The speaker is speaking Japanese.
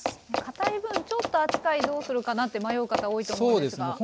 かたい分ちょっと扱いどうするかなって迷う方多いと思うんですが。